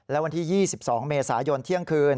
และวันที่๒๒เมษายนเที่ยงคืน